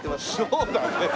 そうだね。